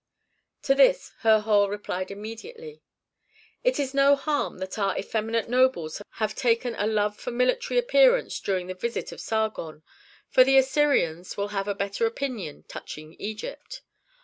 To this Herhor replied immediately, "It is no harm that our effeminate nobles have taken a love for military appearance during the visit of Sargon, for the Assyrians will have a better opinion touching Egypt.